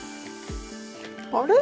あれ？